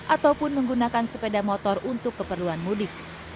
ataupun menggunakan sepeda motor untuk keperluan mudik